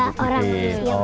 ada orang manusia yang bikin